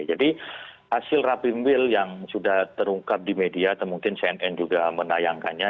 jadi hasil rapimwill yang sudah terungkap di media atau mungkin cnn juga menayangkannya